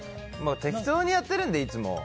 適当にやってるので、いつも。